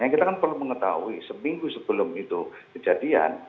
kita kan perlu mengetahui seminggu sebelum itu kejadian